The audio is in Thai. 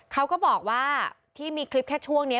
เขาก็บอกว่าที่มีคลิปแค่ช่วงนี้